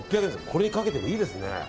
これにかけてもいいですね。